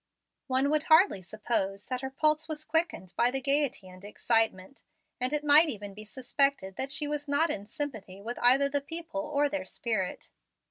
One would hardly suppose that her pulse was quickened by the gayety and excitement, and it might even be suspected that she was not in sympathy with either the people or their spirit.